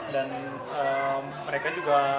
dan mereka juga